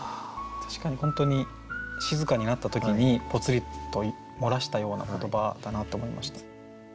確かに本当に静かになった時にぽつりと漏らしたような言葉だなと思いました。